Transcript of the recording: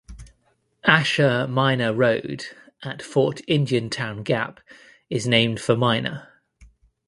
Asher Miner Road at Fort Indiantown Gap is named for Miner.